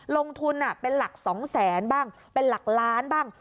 ลงทุนเป็นหลัก๒แสนบ้างเป็นหลักล้านบ้าง